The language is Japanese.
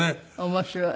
面白い。